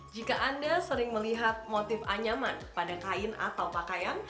jika anda sering melihat motif anyaman pada kain atau pakaian